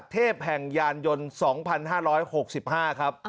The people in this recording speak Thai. เทพแห่งยานยนต์๒๕๖๕